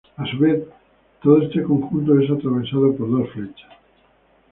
A su vez, todo este conjunto es atravesado por dos flechas.